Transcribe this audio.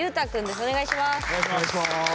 お願いします。